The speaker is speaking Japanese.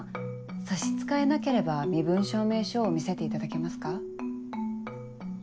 差し支えなければ身分証明書を見せていただけますか。